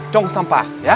cong sampah ya